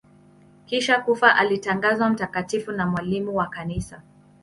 Kisha kufa alitangazwa mtakatifu na mwalimu wa Kanisa.